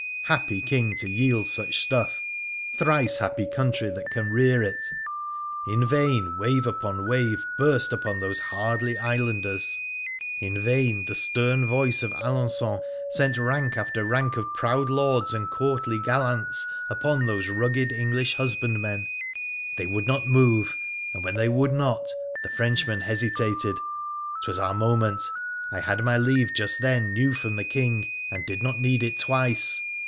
Happy King to yield such stuff — thrice happy country that can rear it ! In vain wave upon wave burst upon those hardly islanders, in vain the stern voice of Alencon sent rank after rank of proud lords and courtly gallants upon those rugged English iiusbandmen — they would not move, and when they would not the Frenchmen hesitated. 'Twas our moment ! I had had my leave just then new From the King, and did not need it twice.